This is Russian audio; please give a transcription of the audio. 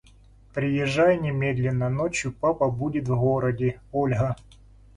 «Приезжай немедленно ночью папа будет в городе Ольга».